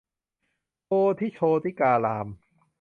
โพธิ์โชติการาม